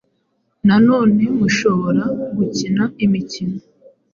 nanone mushobora gukina imikino